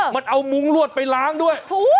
มันเอามุ้งลวดไปล้างด้วย